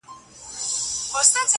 o باغ که باغوان لري، چغال بيا خداى لري!